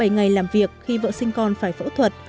bảy ngày làm việc khi vợ sinh con phải phẫu thuật